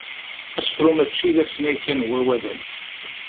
Asefru mačči d asnay kan n wawalen.